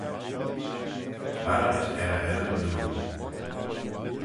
Barrant er e ennym noo.